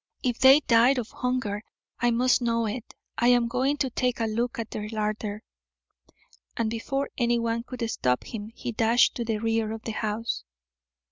If they died of hunger I must know it. I am going to take a look at their larder." And before anyone could stop him he dashed to the rear of the house.